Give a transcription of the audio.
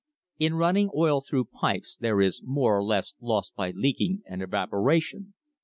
In running oil through pipes there is more or less lost by leaking and , evaporation.